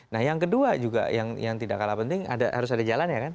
nah yang kedua juga yang tidak kalah penting harus ada jalannya kan